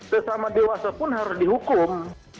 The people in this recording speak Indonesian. sesama dewasa pun harus dihukum